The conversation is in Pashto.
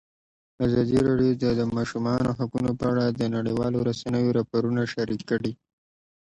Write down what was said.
ازادي راډیو د د ماشومانو حقونه په اړه د نړیوالو رسنیو راپورونه شریک کړي.